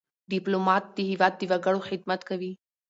ډيپلومات د هېواد د وګړو خدمت کوي.